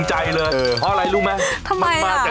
ใหญ่อ่ะ